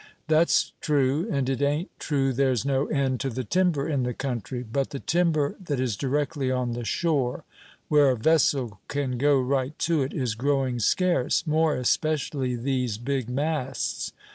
"That's true; and it ain't true there's no end to the timber in the country; but the timber that is directly on the shore, where a vessel can go right to it, is growing scarce, more especially these big masts.